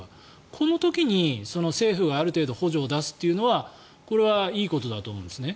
この時に政府がある程度補助を出すというのはこれはいいことだと思うんですね。